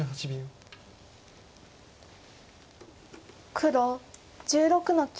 黒１６の九。